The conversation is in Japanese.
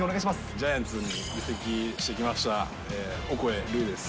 ジャイアンツに移籍してきました、オコエ瑠偉です。